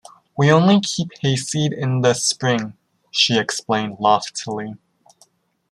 “We only keep hayseed in the spring,” she explained loftily.